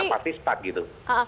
nah pasti sepak gitu